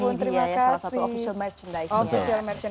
ini dia ya salah satu official merchandise nya